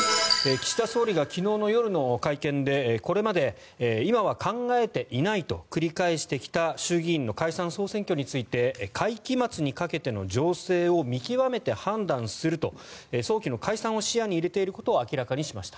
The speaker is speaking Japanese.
岸田総理が昨日の夜の会見でこれまで、今は考えていないと繰り返してきた衆議院の解散・総選挙について会期末にかけての情勢を見極めて判断すると早期の解散を視野に入れていることを明らかにしました。